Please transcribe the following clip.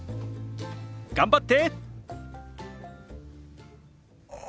頑張って！